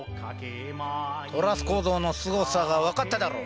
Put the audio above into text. トラス構造のすごさが分かっただろ。